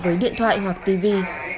với điện thoại hoặc tivi